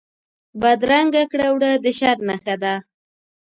بدرنګه کړه وړه د شر نښه ده